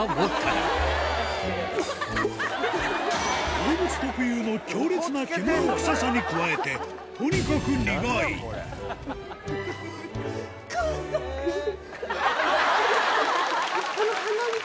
動物特有の強烈な獣臭さに加えてとにかく苦いくさっ！くせぇ！